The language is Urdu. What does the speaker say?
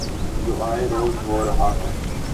جو آئے روز ہو رہا ہے۔